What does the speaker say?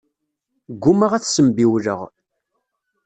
Ggumaɣ ad t-ssembiwleɣ.